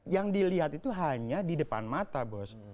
yang dilihat itu hanya di depan mata bos